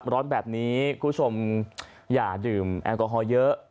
ร้อนแบบนี้คุณผู้ชมอย่าดื่มแอลกอฮอล์เยอะ